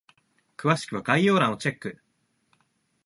詳しくは概要欄をチェック！